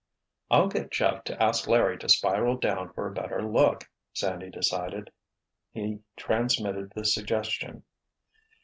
"I'll get Jeff to ask Larry to spiral down for a better look," Sandy decided. He transmitted the suggestion.